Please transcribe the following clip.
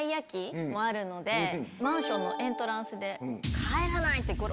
マンションのエントランスで。